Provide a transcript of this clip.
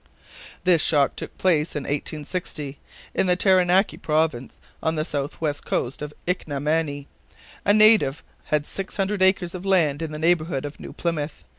"This shock took place in 1860, in the Taranaki province on the southwest coast of Ika na Mani. A native had six hundred acres of land in the neighborhood of New Plymouth.